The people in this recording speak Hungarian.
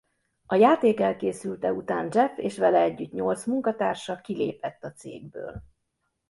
A játék elkészülte után Jaffe és vele együtt nyolc munkatársa kilépett a cégből.